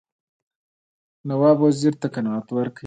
نواب وزیر ته قناعت ورکړي.